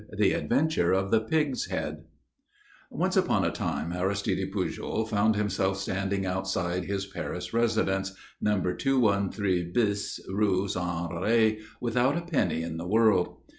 V THE ADVENTURE OF THE PIG'S HEAD Once upon a time Aristide Pujol found himself standing outside his Paris residence, No. 213 bis, Rue Saint Honoré, without a penny in the world.